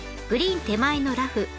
グリーン手前のラフ。